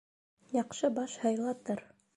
Яҡшы баш һыйлатыр